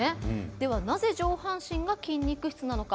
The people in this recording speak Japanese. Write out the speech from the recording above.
なぜ上半身が筋肉質なのか